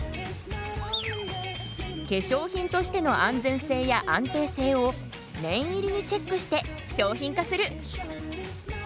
化粧品としての安全性や安定性を念入りにチェックして商品化する。